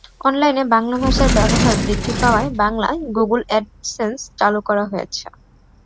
অনলাইনে বাংলা ভাষার ব্যবহার বৃদ্ধি পাওয়ায় বাংলায় গুগল অ্যাডসেন্স চালু করা হয়েছে।